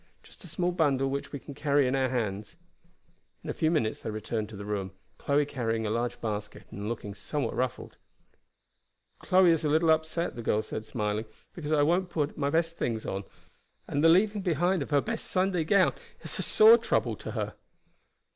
Just a small bundle which we can carry in our hands." In a few minutes they returned to the room, Chloe carrying a large basket, and looking somewhat ruffled. "Chloe is a little upset," the girl said, smiling, "because I won't put my best things on; and the leaving her Sunday gown behind is a sore trouble to her."